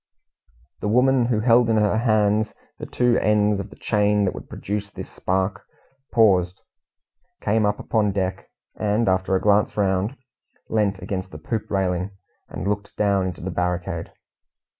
The woman who held in her hands the two ends of the chain that would produce this spark, paused, came up upon deck, and, after a glance round, leant against the poop railing, and looked down into the barricade.